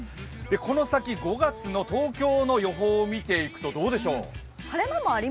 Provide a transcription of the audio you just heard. この先、５月の東京の予報を見ていくとどうでしょう。